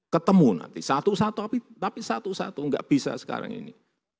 ketemu nanti satu satu tapi satu satu nggak bisa sekarang ini